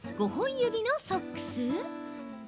５本指のソックス？